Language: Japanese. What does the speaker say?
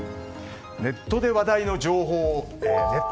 ネットで話題の情報のネット